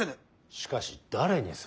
しかし誰にする。